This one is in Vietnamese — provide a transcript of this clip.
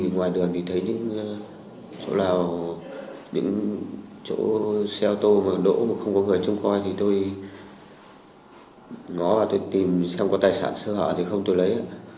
ngoài đường thì thấy những chỗ xe ô tô đổ mà không có người trông coi thì tôi ngó và tôi tìm xem có tài sản xưa hả thì không tôi lấy